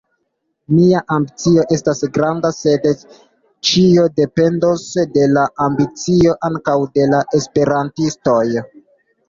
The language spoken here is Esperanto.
Nia ambicio estas granda, sed ĉio dependos de la ambicio ankaŭ de la esperantistoj.